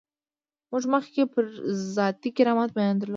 موږ مخکې پر ذاتي کرامت بیان درلود.